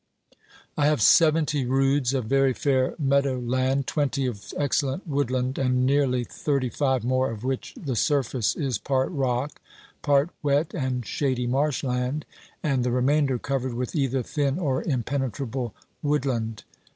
I have seventy roods of very fair meadow land, twenty of excellent woodland and nearly thirty five more of which the surface is part rock, part wet and shady marshland, and the remainder covered with either thin or impenetrable wood land.